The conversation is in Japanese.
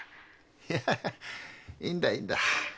いやいいんだいいんだ。